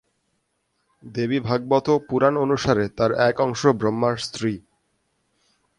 দেবীভাগবত পুরাণ অনুসারে তার এক অংশ ব্রহ্মার স্ত্রী।